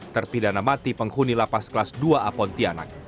terpidana mati penghuni lapas kelas dua apontianak